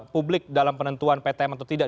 publik dalam penentuan ptm atau tidak